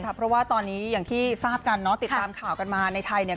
เพราะว่าตอนนี้อย่างที่ทราบกันเนาะติดตามข่าวกันมาในไทยเนี่ย